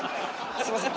すみません